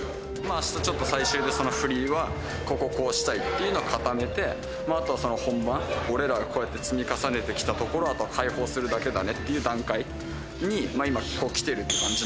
明日ちょっと最終でその振りはこここうしたいっていうのは固めてあとは本番俺らがこうやって積み重ねてきたところをあとは解放するだけだねっていう段階に今来てるって感じ